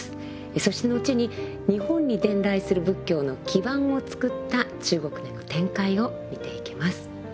そして後に日本に伝来する仏教の基盤をつくった中国での展開を見ていきます。